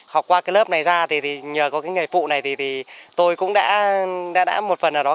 học qua cái lớp này ra thì nhờ có cái nghề phụ này thì tôi cũng đã một phần ở đó